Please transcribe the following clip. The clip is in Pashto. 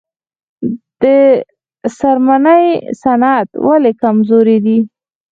د څرمنې صنعت ولې کمزوری دی؟